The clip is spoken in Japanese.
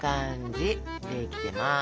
できてます。